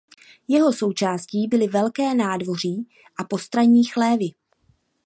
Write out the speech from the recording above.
Jeho součástí byly velké nádvoří a postranní chlévy.